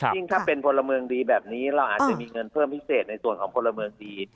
ยิ่งถ้าเป็นพลเมืองดีแบบนี้เราอาจจะมีเงินเพิ่มพิเศษในส่วนของพลเมืองดี